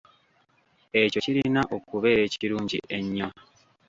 Ekyo kirina okubeera ekirungi ennyo.